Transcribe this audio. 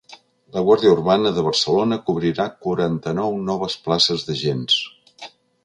La guàrdia urbana de Barcelona cobrirà quaranta-nou noves places d’agents.